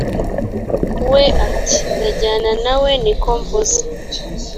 we ati ndajyana na we nikomvuze